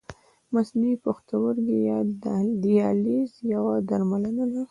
مصنوعي پښتورګی یا دیالیز یوه درملنه ده.